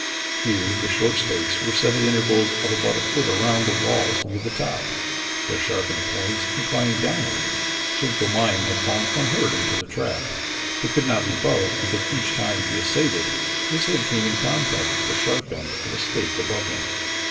Here the short stakes were set at intervals of about a foot around the walls near the top, their sharpened points inclining downward so that the lion had fallen unhurt into the trap but could not leap out because each time he essayed it his head came in contact with the sharp end of a stake above him.